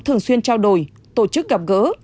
thường xuyên trao đổi tổ chức gặp gỡ